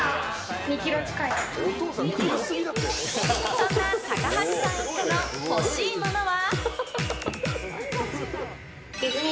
そんな高橋さん一家の欲しいものは。